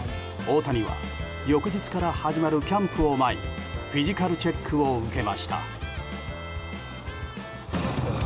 大谷は翌日から始まるキャンプを前にフィジカルチェックを受けました。